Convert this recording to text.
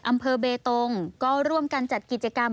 อำเภอเบตงก็ร่วมกันจัดกิจกรรม